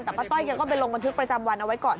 แต่ป้าต้อยแกก็ไปลงบันทึกประจำวันเอาไว้ก่อน